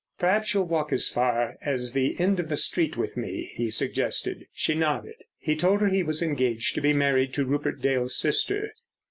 "Perhaps you'll walk as far as the end of the street with me," he suggested. She nodded. He told her he was engaged to be married to Rupert Dale's sister.